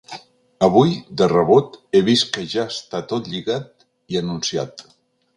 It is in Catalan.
Avui, de rebot, he vist que ja està tot lligat i anunciat.